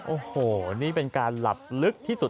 โอ้โหนี่เป็นการหลับลึกที่สุด